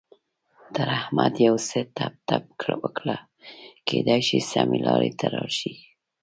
تر احمد يو څه ټپ ټپ وکړه؛ کېدای شي سمې لارې ته راشي.